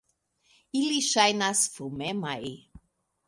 Ili ŝajnas fumemaj.